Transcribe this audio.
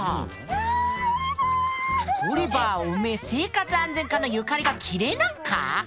オリバーおめえ生活安全課のゆかりが嫌えなんか？